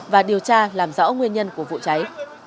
và điều tra làm rõ nguyên nhân của vụ cháy